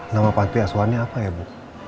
nama panti asuhannya apa ya bu